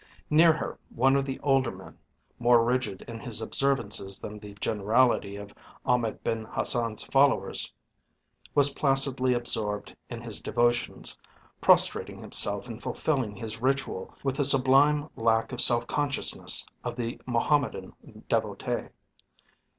Near her one of the older men, more rigid in his observances than the generality of Ahmed Ben Hassan's followers, was placidly absorbed in his devotions, prostrating himself and fulfilling his ritual with the sublime lack of self consciousness of the Mohammedan devotee.